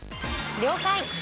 「了解！」